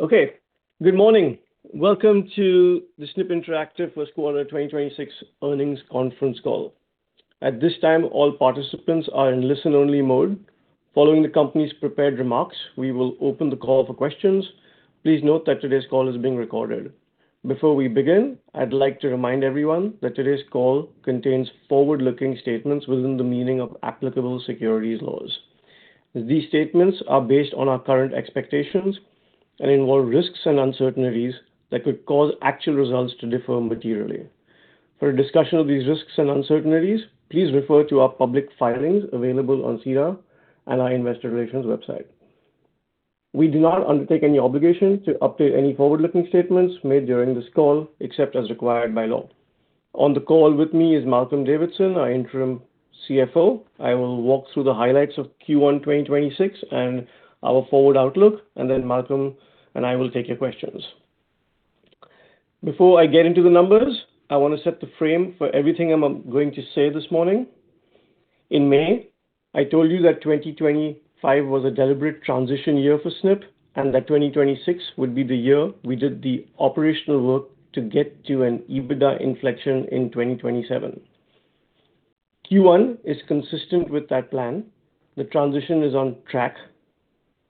Okay. Good morning. Welcome to the Snipp Interactive first quarter 2026 earnings conference call. At this time, all participants are in listen-only mode. Following the company's prepared remarks, we will open the call for questions. Please note that today's call is being recorded. Before we begin, I'd like to remind everyone that today's call contains forward-looking statements within the meaning of applicable securities laws. These statements are based on our current expectations and involve risks and uncertainties that could cause actual results to differ materially. For a discussion of these risks and uncertainties, please refer to our public filings available on SEDAR and our investor relations website. We do not undertake any obligation to update any forward-looking statements made during this call, except as required by law. On the call with me is Malcolm Davidson, our Interim CFO. I will walk through the highlights of Q1 2026 and our forward outlook. Then Malcolm and I will take your questions. Before I get into the numbers, I want to set the frame for everything I'm going to say this morning. In May, I told you that 2025 was a deliberate transition year for Snipp, that 2026 would be the year we did the operational work to get to an EBITDA inflection in 2027. Q1 is consistent with that plan. The transition is on track.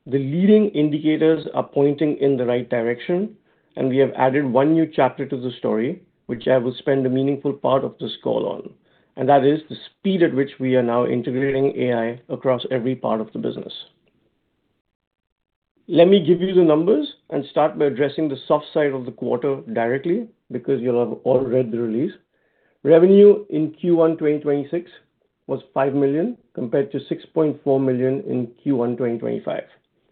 The leading indicators are pointing in the right direction. We have added one new chapter to the story, which I will spend a meaningful part of this call on. That is the speed at which we are now integrating AI across every part of the business. Let me give you the numbers and start by addressing the soft side of the quarter directly, because you'll have all read the release. Revenue in Q1 2026 was 5 million compared to 6.4 million in Q1 2025,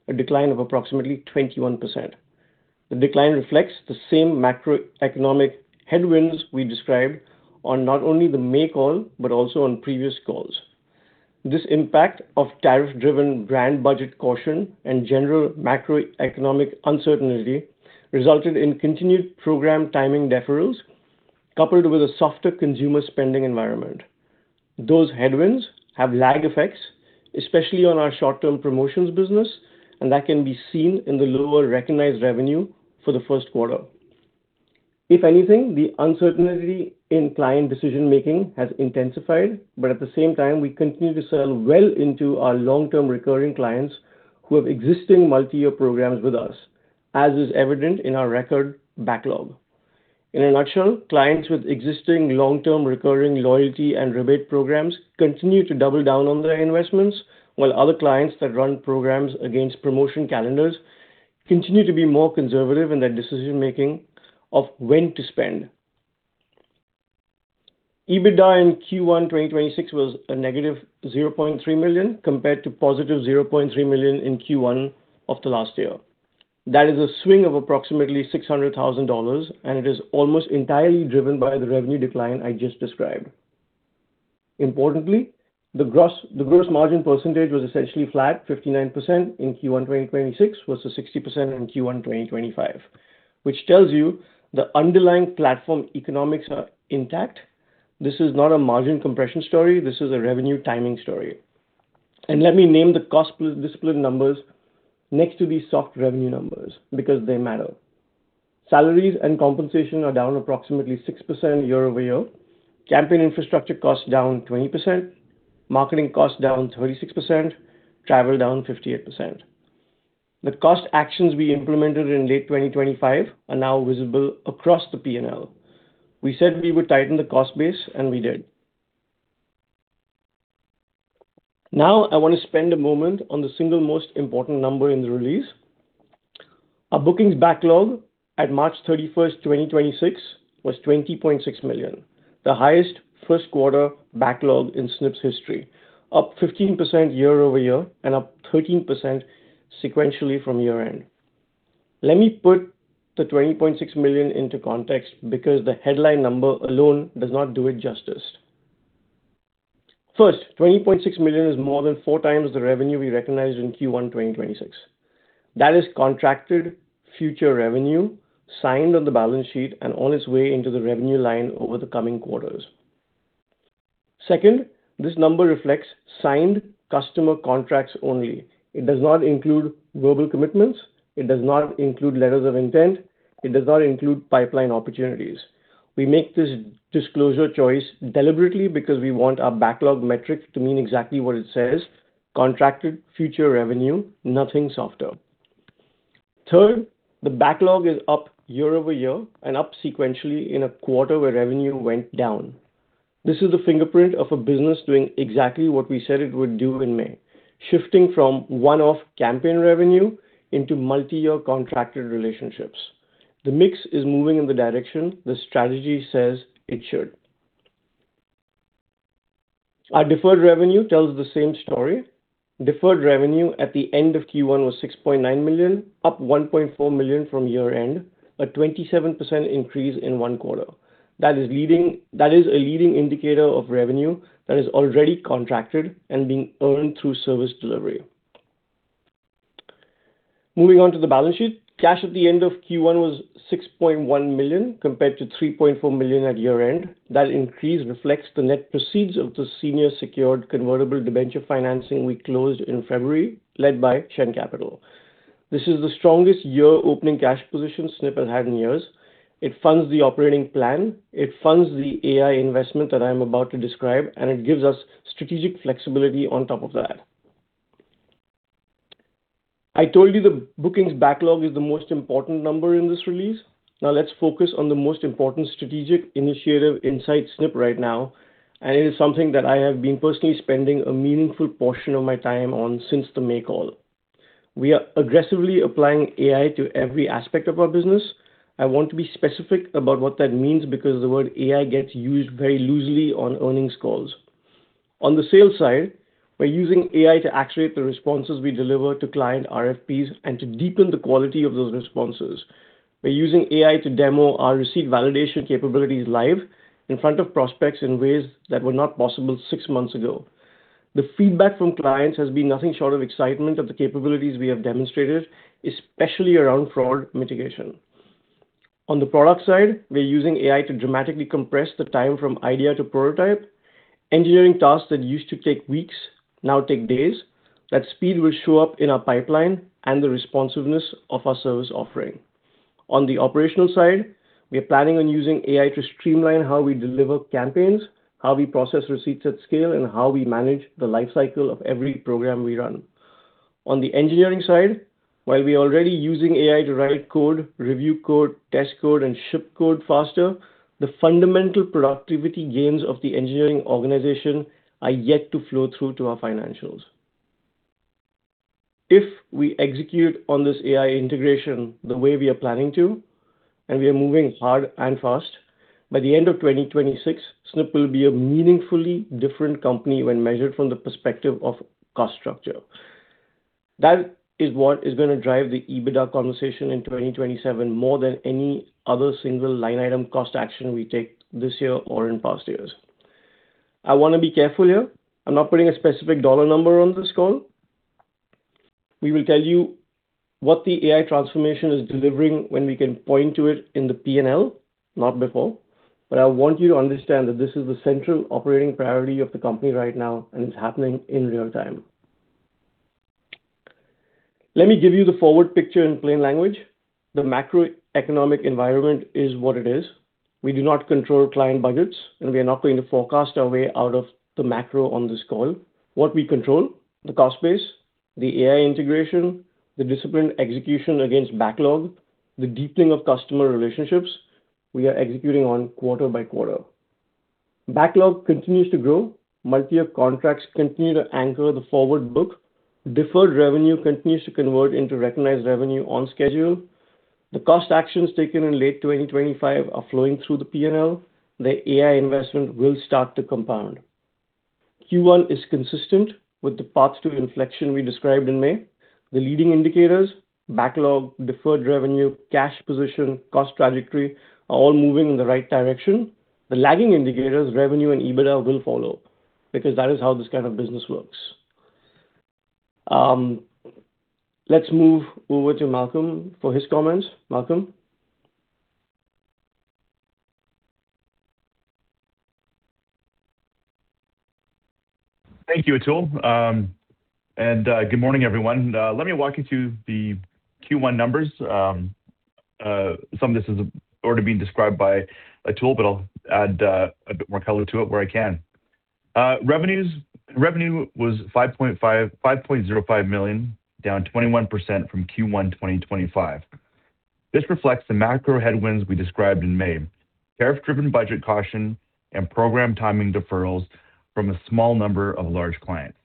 a decline of approximately 21%. The decline reflects the same macroeconomic headwinds we described on not only the May call, but also on previous calls. This impact of tariff-driven brand budget caution and general macroeconomic uncertainty resulted in continued program timing deferrals, coupled with a softer consumer spending environment. Those headwinds have lag effects, especially on our short-term promotions business, and that can be seen in the lower recognized revenue for the first quarter. If anything, the uncertainty in client decision-making has intensified, but at the same time, we continue to sell well into our long-term recurring clients who have existing multi-year programs with us, as is evident in our record backlog. In a nutshell, clients with existing long-term recurring loyalty and rebate programs continue to double down on their investments, while other clients that run programs against promotion calendars continue to be more conservative in their decision-making of when to spend. EBITDA in Q1 2026 was a -0.3 million compared to +0.3 million in Q1 of the last year. That is a swing of approximately 600,000 dollars, and it is almost entirely driven by the revenue decline I just described. Importantly, the gross margin percentage was essentially flat, 59% in Q1 2026 versus 60% in Q1 2025, which tells you the underlying platform economics are intact. This is not a margin compression story. This is a revenue timing story. Let me name the cost discipline numbers next to these soft revenue numbers because they matter. Salaries and compensation are down approximately 6% year-over-year. Campaign infrastructure costs down 20%, marketing costs down 36%, travel down 58%. The cost actions we implemented in late 2025 are now visible across the P&L. We said we would tighten the cost base, and we did. Now, I want to spend a moment on the single most important number in the release. Our bookings backlog at March 31st, 2026, was 20.6 million, the highest first quarter backlog in Snipp's history, up 15% year-over-year and up 13% sequentially from year-end. Let me put the 20.6 million into context because the headline number alone does not do it justice. First, 20.6 million is more than four times the revenue we recognized in Q1 2026. That is contracted future revenue signed on the balance sheet and on its way into the revenue line over the coming quarters. Second, this number reflects signed customer contracts only. It does not include verbal commitments. It does not include letters of intent. It does not include pipeline opportunities. We make this disclosure choice deliberately because we want our backlog metric to mean exactly what it says, contracted future revenue, nothing softer. Third, the backlog is up year-over-year and up sequentially in a quarter where revenue went down. This is the fingerprint of a business doing exactly what we said it would do in May, shifting from one-off campaign revenue into multi-year contracted relationships. The mix is moving in the direction the strategy says it should. Our deferred revenue tells the same story. Deferred revenue at the end of Q1 was 6.9 million, up 1.4 million from year-end, a 27% increase in one quarter. That is a leading indicator of revenue that is already contracted and being earned through service delivery. Moving on to the balance sheet. Cash at the end of Q1 was 6.1 million compared to 3.4 million at year-end. That increase reflects the net proceeds of the senior secured convertible debenture financing we closed in February, led by Shen Capital. This is the strongest year-opening cash position Snipp has had in years. It funds the operating plan, it funds the AI investment that I'm about to describe, and it gives us strategic flexibility on top of that. I told you the bookings backlog is the most important number in this release. Let's focus on the most important strategic initiative inside Snipp right now, and it is something that I have been personally spending a meaningful portion of my time on since the fall. We are aggressively applying AI to every aspect of our business. I want to be specific about what that means because the word AI gets used very loosely on earnings calls. On the sales side, we're using AI to accelerate the responses we deliver to client RFPs and to deepen the quality of those responses. We're using AI to demo our receipt validation capabilities live in front of prospects in ways that were not possible six months ago. The feedback from clients has been nothing short of excitement of the capabilities we have demonstrated, especially around fraud mitigation. On the product side, we're using AI to dramatically compress the time from idea to prototype. Engineering tasks that used to take weeks now take days. That speed will show up in our pipeline and the responsiveness of our service offering. On the operational side, we are planning on using AI to streamline how we deliver campaigns, how we process receipts at scale, and how we manage the life cycle of every program we run. On the engineering side, while we're already using AI to write code, review code, test code, and ship code faster, the fundamental productivity gains of the engineering organization are yet to flow through to our financials. If we execute on this AI integration the way we are planning to, and we are moving hard and fast, by the end of 2026, Snipp will be a meaningfully different company when measured from the perspective of cost structure. That is what is going to drive the EBITDA conversation in 2027 more than any other single line item cost action we take this year or in past years. I want to be careful here. I'm not putting a specific dollar number on this call. We will tell you what the AI transformation is delivering when we can point to it in the P&L, not before. I want you to understand that this is the central operating priority of the company right now, and it's happening in real-time. Let me give you the forward picture in plain language. The macroeconomic environment is what it is. We do not control client budgets, and we are not going to forecast our way out of the macro on this call. What we control, the cost base, the AI integration, the disciplined execution against backlog, the deepening of customer relationships, we are executing on quarter-by-quarter. Backlog continues to grow. Multi-year contracts continue to anchor the forward book. Deferred revenue continues to convert into recognized revenue on schedule. The cost actions taken in late 2025 are flowing through the P&L. The AI investment will start to compound. Q1 is consistent with the paths to inflection we described in May. The leading indicators, backlog, deferred revenue, cash position, cost trajectory, are all moving in the right direction. The lagging indicators, revenue, and EBITDA will follow because that is how this kind of business works. Let's move over to Malcolm for his comments. Malcolm? Thank you, Atul. Good morning, everyone. Let me walk you through the Q1 numbers. Some of this has already been described by Atul, but I'll add a bit more color to it where I can. Revenue was 5.05 million, down 21% from Q1 2025. This reflects the macro headwinds we described in May, tariff-driven budget caution, and program timing deferrals from a small number of large clients.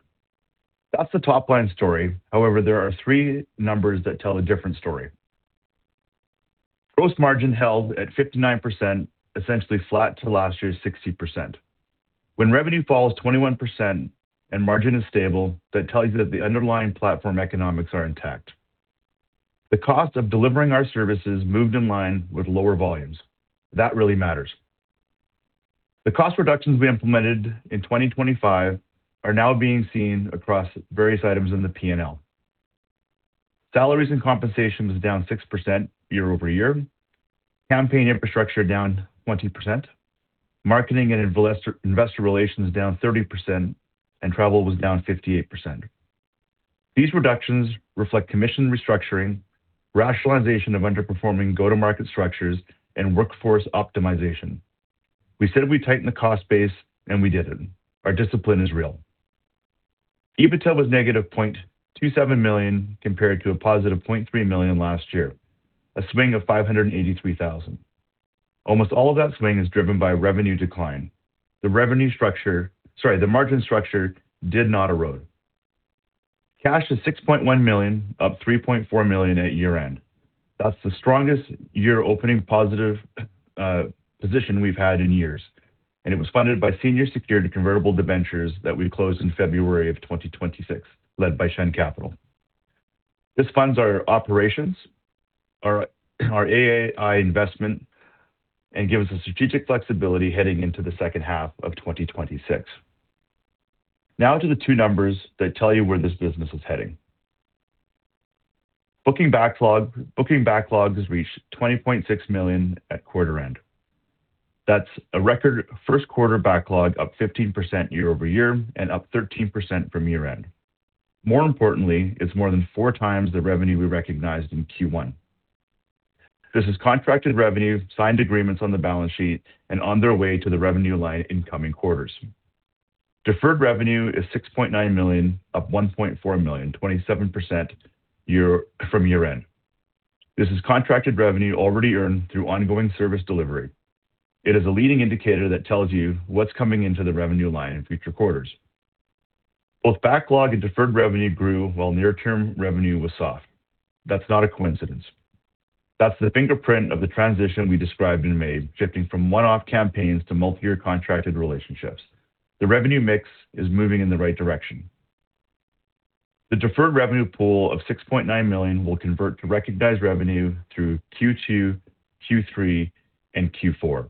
That's the top-line story. However, there are three numbers that tell a different story. Gross margin held at 59%, essentially flat to last year's 60%. When revenue falls 21% and margin is stable, that tells you that the underlying platform economics are intact. The cost of delivering our services moved in line with lower volumes. That really matters. The cost reductions we implemented in 2025 are now being seen across various items in the P&L. Salaries and compensation was down 6% year-over-year, campaign infrastructure down 20%, marketing and investor relations down 30%, travel was down 58%. These reductions reflect commission restructuring, rationalization of underperforming go-to-market structures, and workforce optimization. We said we'd tighten the cost base and we did it. Our discipline is real. EBITDA was -0.27 million compared to a positive 0.3 million last year, a swing of 583,000. Almost all of that swing is driven by revenue decline. The revenue structure, sorry, the margin structure did not erode. Cash is 6.1 million, up 3.4 million at year-end. That's the strongest year opening positive position we've had in years, it was funded by senior secured convertible debentures that we closed in February 2026, led by Shen Capital. This funds our operations, our AI investment, and gives us strategic flexibility heading into the second half of 2026. Now to the two numbers that tell you where this business is heading. Booking backlog has reached 20.6 million at quarter end. That's a record first quarter backlog, up 15% year-over-year, and up 13% from year-end. More importantly, it's more than four times the revenue we recognized in Q1. This is contracted revenue, signed agreements on the balance sheet, and on their way to the revenue line in coming quarters. Deferred revenue is 6.9 million, up 1.4 million, 27% from year-end. This is contracted revenue already earned through ongoing service delivery. It is a leading indicator that tells you what's coming into the revenue line in future quarters. Both backlog and deferred revenue grew while near-term revenue was soft. That's not a coincidence. That's the fingerprint of the transition we described in May, shifting from one-off campaigns to multi-year contracted relationships. The revenue mix is moving in the right direction. The deferred revenue pool of 6.9 million will convert to recognized revenue through Q2, Q3, and Q4.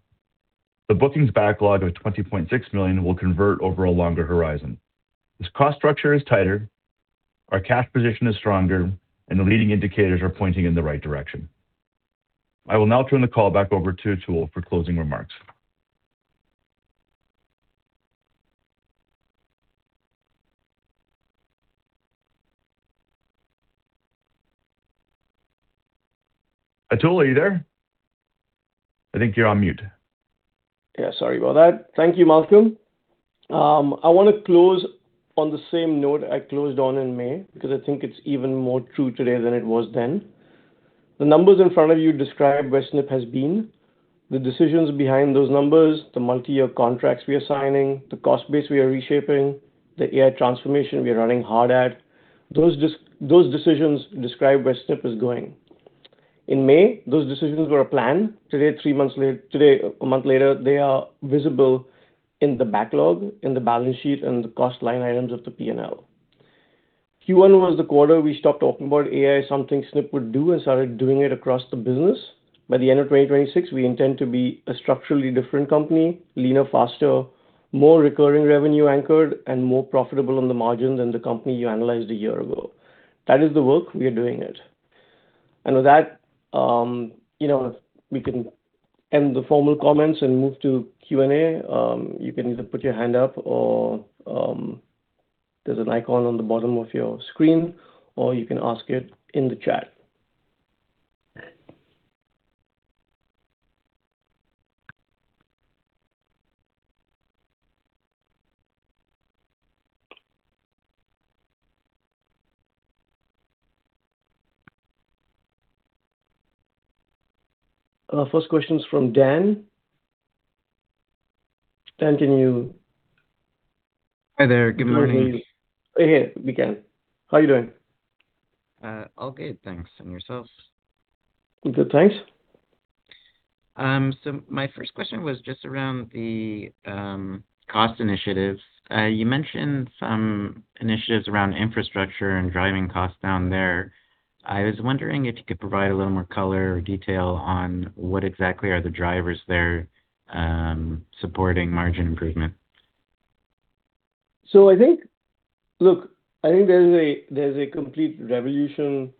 The bookings backlog of 20.6 million will convert over a longer horizon. This cost structure is tighter, our cash position is stronger, and the leading indicators are pointing in the right direction. I will now turn the call back over to Atul for closing remarks. Atul, are you there? I think you're on mute. Yeah, sorry about that. Thank you, Malcolm. I want to close on the same note I closed on in May because I think it's even more true today than it was then. The numbers in front of you describe where Snipp has been. The decisions behind those numbers, the multi-year contracts we are signing, the cost base we are reshaping, the AI transformation we are running hard at, those decisions describe where Snipp is going. In May, those decisions were a plan. Today, a month later, they are visible in the backlog, in the balance sheet, and the cost line items of the P&L. Q1 was the quarter we stopped talking about AI as something Snipp would do, and started doing it across the business. By the end of 2026, we intend to be a structurally different company, leaner, faster, more recurring revenue anchored, and more profitable on the margin than the company you analyzed a year ago. That is the work. We are doing it. With that, we can end the formal comments and move to Q&A. You can either put your hand up or there's an icon on the bottom of your screen, or you can ask it in the chat. Our first question's from Dan. Dan, can you. Hi there. Give me one moment. Hey. We can. How are you doing? All good, thanks. Yourselves? I'm good, thanks. My first question was just around the cost initiatives. You mentioned some initiatives around infrastructure and driving costs down there. I was wondering if you could provide a little more color or detail on what exactly are the drivers there supporting margin improvement? I think there's a complete revolution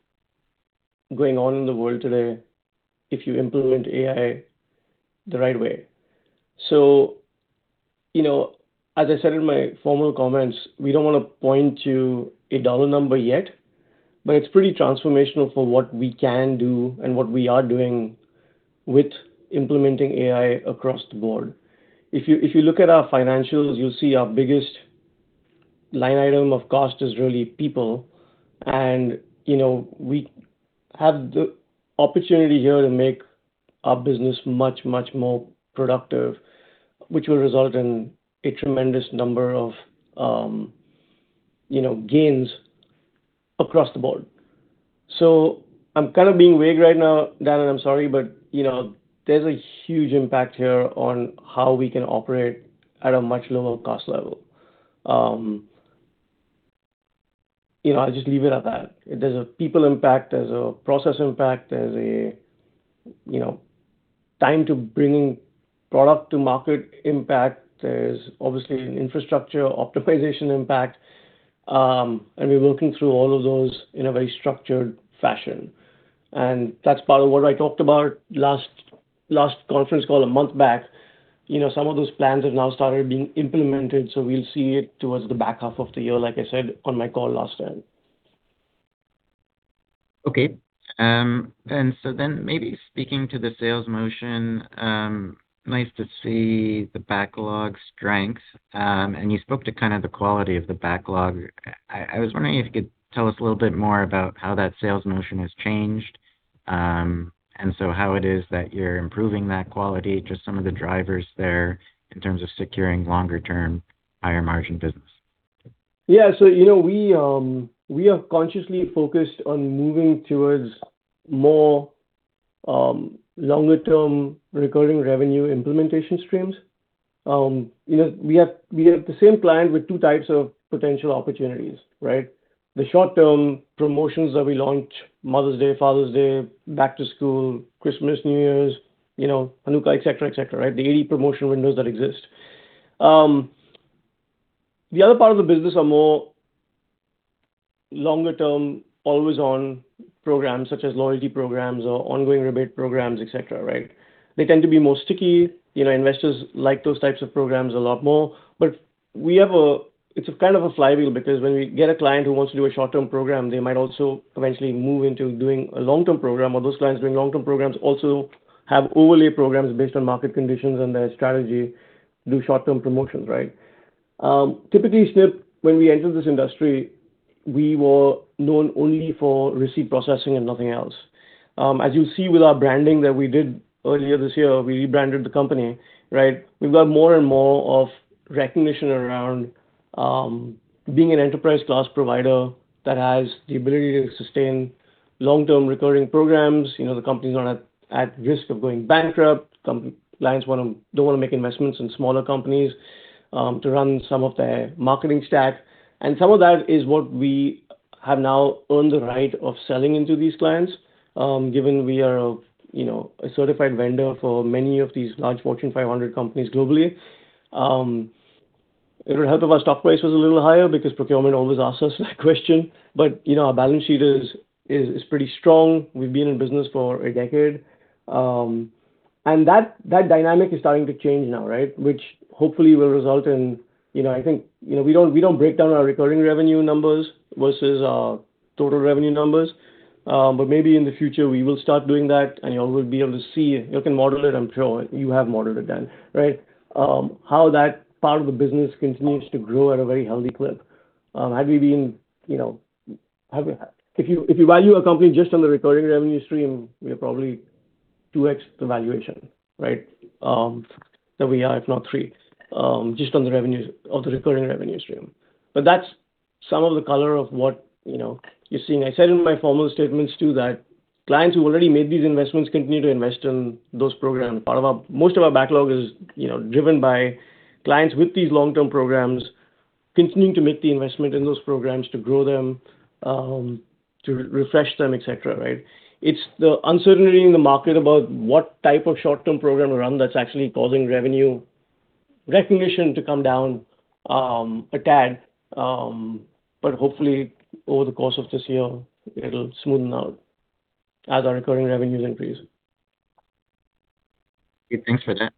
going on in the world today if you implement AI the right way. As I said in my formal comments, we don't want to point to a dollar number yet, but it's pretty transformational for what we can do and what we are doing with implementing AI across the board. If you look at our financials, you'll see our biggest line item of cost is really people, and we have the opportunity here to make our business much, much more productive, which will result in a tremendous number of gains across the board. I'm kind of being vague right now, Dan, and I'm sorry, but there's a huge impact here on how we can operate at a much lower cost level. I'll just leave it at that. There's a people impact, there's a process impact, there's a time to bringing product to market impact. There's obviously an infrastructure optimization impact. We're working through all of those in a very structured fashion. That's part of what I talked about last conference call a month back. Some of those plans have now started being implemented. We'll see it towards the back half of the year, like I said on my call last time. Okay. Maybe speaking to the sales motion, nice to see the backlog strength. You spoke to kind of the quality of the backlog. I was wondering if you could tell us a little bit more about how that sales motion has changed. How it is that you're improving that quality, just some of the drivers there in terms of securing longer term, higher margin business. Yeah. We have consciously focused on moving towards more longer-term recurring revenue implementation streams. We have the same plan with two types of potential opportunities, right? The short-term promotions that we launch, Mother's Day, Father's Day, back to school, Christmas, New Year's, Hanukkah, et cetera, et cetera, right? The 80 promotion windows that exist. The other part of the business are more longer-term, always on programs such as loyalty programs or ongoing rebate programs, et cetera. They tend to be more sticky. Investors like those types of programs a lot more. It's kind of a flywheel because when we get a client who wants to do a short-term program, they might also eventually move into doing a long-term program, or those clients doing long-term programs also have overlay programs based on market conditions and their strategy do short-term promotions. Typically, Snipp, when we entered this industry, we were known only for receipt processing and nothing else. As you see with our branding that we did earlier this year, we rebranded the company. We've got more and more of recognition around being an enterprise class provider that has the ability to sustain long-term recurring programs. The companies aren't at risk of going bankrupt. Clients don't want to make investments in smaller companies to run some of their marketing stack. Some of that is what we have now earned the right of selling into these clients, given we are a certified vendor for many of these large Fortune 500 companies globally. It would help if our stock price was a little higher because procurement always asks us that question. Our balance sheet is pretty strong. We've been in business for a decade. That dynamic is starting to change now, which hopefully will result. We don't break down our recurring revenue numbers versus our total revenue numbers. Maybe in the future, we will start doing that and you'll be able to see. You can model it, I'm sure. You have modeled it, Dan. How that part of the business continues to grow at a very healthy clip. If you value a company just on the recurring revenue stream, we are probably 2x the valuation. That we are, if not 3x, just on the revenue of the recurring revenue stream. That's some of the color of what you're seeing. I said in my formal statements, too, that clients who already made these investments continue to invest in those programs. Most of our backlog is driven by clients with these long-term programs continuing to make the investment in those programs to grow them, to refresh them, et cetera. It's the uncertainty in the market about what type of short-term program to run that's actually causing revenue recognition to come down a tad. Hopefully over the course of this year, it'll smoothen out as our recurring revenues increase. Great. Thanks for that.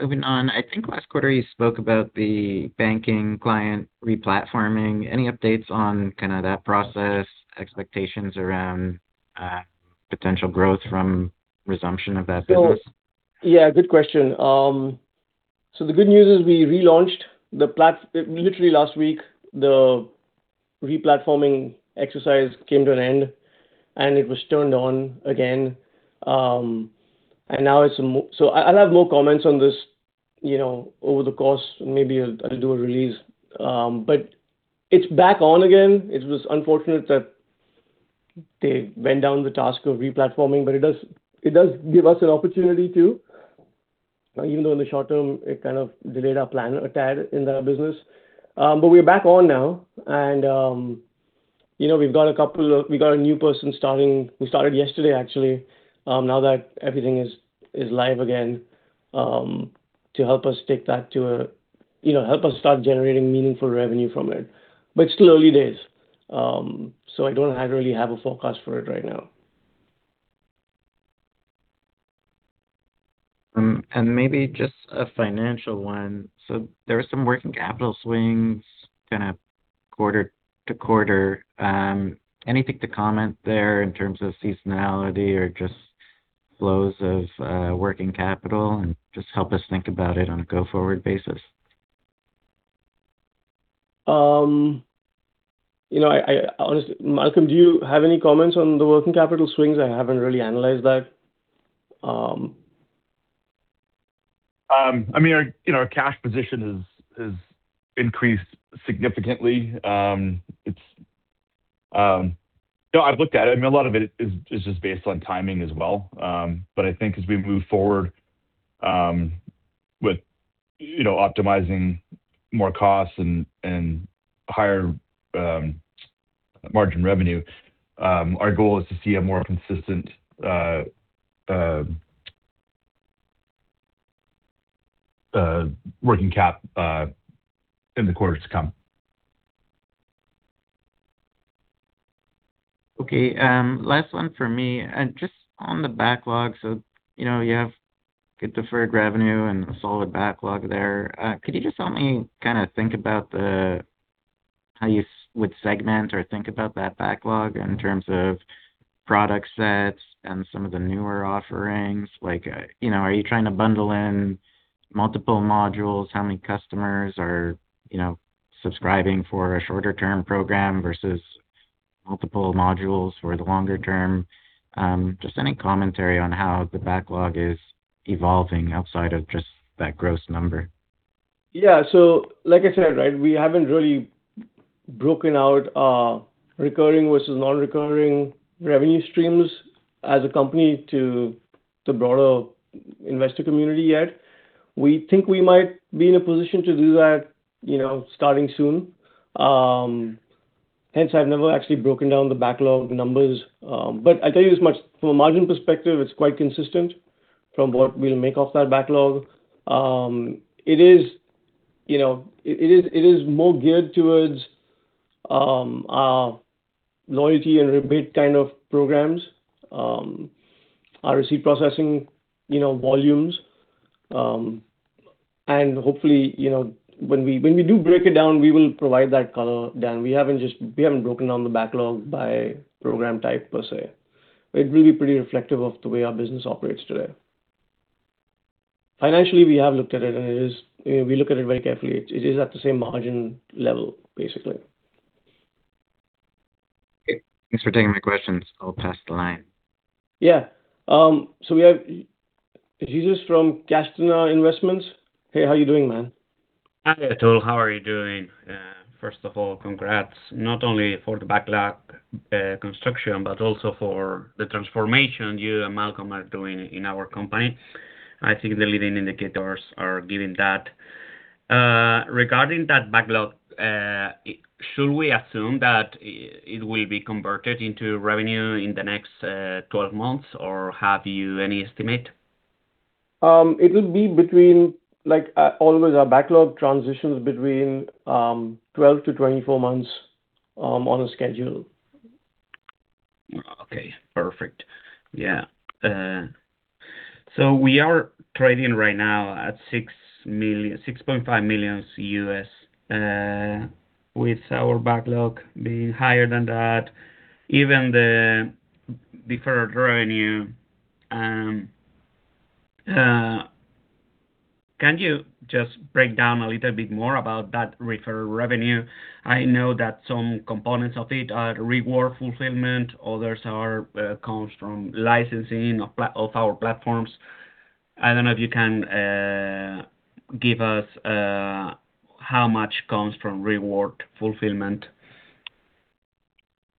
Moving on. I think last quarter you spoke about the banking client re-platforming. Any updates on kind of that process, expectations around potential growth from resumption of that business? Yeah, good question. The good news is we relaunched literally last week. The re-platforming exercise came to an end, and it was turned on again. I'll have more comments on this over the course. Maybe I'll do a release. It's back on again. It was unfortunate that they went down the task of re-platforming, but it does give us an opportunity to, even though in the short term it kind of delayed our plan a tad in the business. We're back on now, and we've got a new person who started yesterday, actually, now that everything is live again, to help us take that to a. Help us start generating meaningful revenue from it. It's still early days, so I don't really have a forecast for it right now. Maybe just a financial one. There are some working capital swings kind of quarter-to-quarter. Anything to comment there in terms of seasonality or just flows of working capital, and just help us think about it on a go forward basis? Malcolm, do you have any comments on the working capital swings? I haven't really analyzed that. Our cash position has increased significantly. No, I've looked at it. I mean, a lot of it is just based on timing as well. I think as we move forward with optimizing more costs and higher margin revenue, our goal is to see a more consistent working cap in the quarters to come. Okay, last one from me, and just on the backlog. You have good deferred revenue and a solid backlog there. Could you just help me kind of think about how you would segment or think about that backlog in terms of product sets and some of the newer offerings? Are you trying to bundle in multiple modules? How many customers are subscribing for a shorter term program versus multiple modules for the longer term? Just any commentary on how the backlog is evolving outside of just that gross number. Yeah. Like I said, we haven't really broken out recurring versus non-recurring revenue streams as a company to the broader investor community yet. We think we might be in a position to do that starting soon. Hence, I've never actually broken down the backlog numbers. I tell you this much, from a margin perspective, it's quite consistent from what we'll make off that backlog. It is more geared towards our loyalty and rebate kind of programs, receipt processing volumes. Hopefully, when we do break it down, we will provide that color, Dan. We haven't broken down the backlog by program type per se. It will be pretty reflective of the way our business operates today. Financially, we have looked at it, and we look at it very carefully. It is at the same margin level, basically. Okay. Thanks for taking my questions. I'll pass the line. Yeah. We have Jason from Castana Investments. Hey, how are you doing, man? Hi, Atul. How are you doing? First of all, congrats, not only for the backlog construction, but also for the transformation you and Malcolm are doing in our company. I think the leading indicators are giving that. Regarding that backlog, should we assume that it will be converted into revenue in the next 12 months, or have you any estimate? It will be between, like always, our backlog transitions between 12-24 months on a schedule. Okay, perfect. Yeah. We are trading right now at $6.5 million, with our backlog being higher than that. Even the deferred revenue. Can you just break down a little bit more about that deferred revenue? I know that some components of it are reward fulfillment. Others comes from licensing of our platforms. I don't know if you can give us how much comes from reward fulfillment.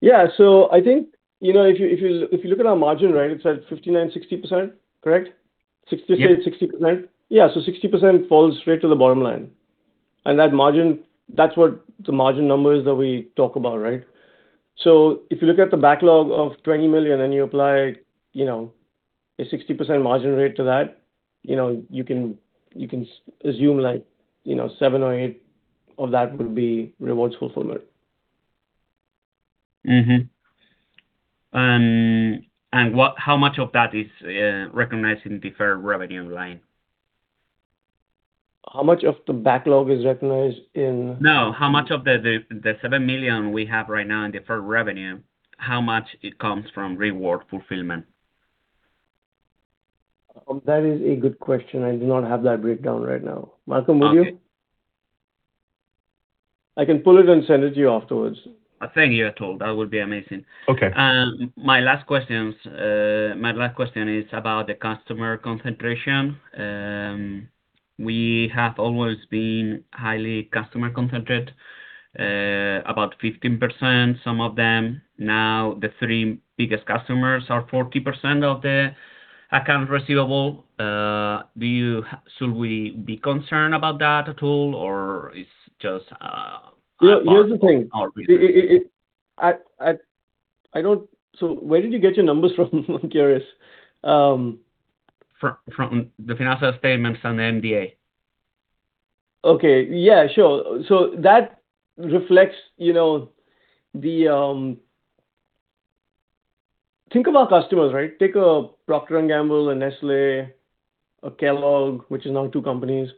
Yeah. I think, if you look at our margin, right, it's at 59%, 60%, correct? Yeah. 60%. Yeah, 60% falls straight to the bottom line. That margin, that's what the margin number is that we talk about, right? If you look at the backlog of 20 million, and you apply a 60% margin rate to that, you can assume seven or eight of that will be rewards fulfillment. Mm-hmm. How much of that is recognized in deferred revenue line? How much of the backlog is recognized in-? How much of the 7 million we have right now in deferred revenue, how much it comes from reward fulfillment? That is a good question. I do not have that breakdown right now. Malcolm, would you? I can pull it and send it to you afterwards. Thank you, Atul. That would be amazing. Okay. My last question is about the customer concentration. We have always been highly customer-concentrated, about 15%, some of them. The three biggest customers are 40% of the account receivable. Should we be concerned about that at all, or it's just? Here's the thing. Where did you get your numbers from? I'm curious. From the financial statements on the MD&A. Okay. Yeah, sure. That reflects Think of our customers, right? Take a Procter & Gamble, a Nestlé, a Kellogg, which is now two companies.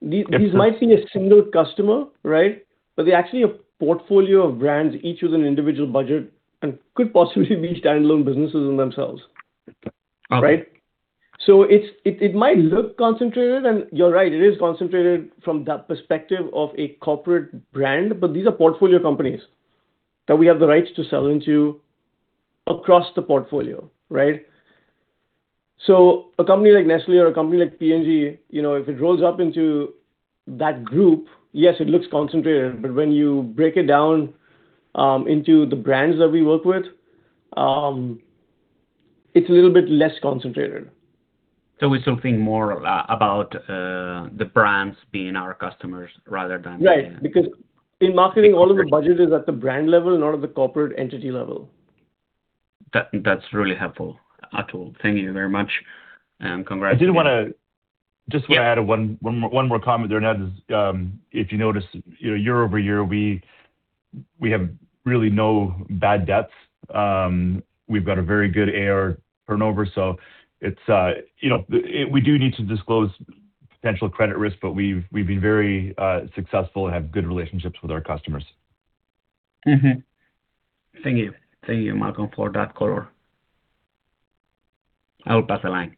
Yep. These might seem a single customer, right? They're actually a portfolio of brands, each with an individual budget, and could possibly be standalone businesses in themselves. Okay. Right? It might look concentrated, and you are right, it is concentrated from that perspective of a corporate brand, but these are portfolio companies that we have the rights to sell into across the portfolio, right? A company like Nestlé or a company like P&G, if it rolls up into that group, yes, it looks concentrated, but when you break it down into the brands that we work with, it is a little bit less concentrated. It's something more about the brands being our customers rather than. Right. Because in marketing, all of the budget is at the brand level, not at the corporate entity level. That's really helpful, Atul. Thank you very much, and congrats. I did want to just add one more comment there, and that is, if you notice, year-over-year, we have really no bad debts. We've got a very good AR turnover. We do need to disclose potential credit risk, but we've been very successful and have good relationships with our customers. Thank you, Malcolm, for that color. I will pass the line.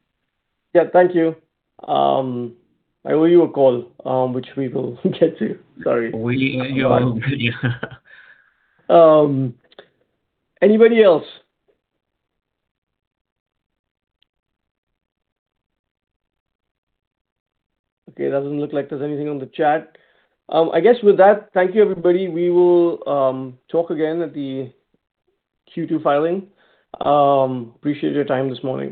Yeah, thank you. I owe you a call, which we will get to. Sorry. We owe you. Anybody else? Okay, doesn't look like there's anything on the chat. I guess with that, thank you, everybody. We will talk again at the Q2 filing. Appreciate your time this morning.